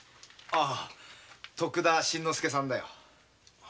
徳田新之助さんだよ。